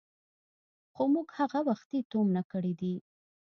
خو موږ هغه وختي تومنه کړي دي.